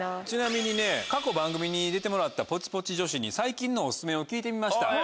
ちなみにね過去番組に出てもらったポチポチ女子に最近のオススメを聞いてみました。